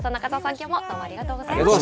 きょうもどうもありがとうございました。